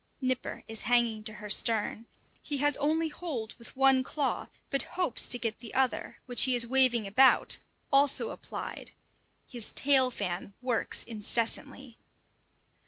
Nipper is hanging to her stern. He has only hold with one claw, but hopes to get the other, which he is waving about, also applied. His tail fan works incessantly.